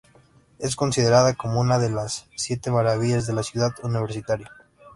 Es considerada como una de las siete maravillas de la ciudad universitaria.